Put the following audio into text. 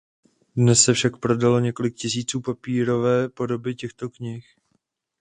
Dnes se však prodalo několik tisíců papírové podoby těchto knih.